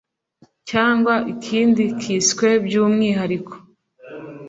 cyangwa ikindi kiswe byu mwihariko,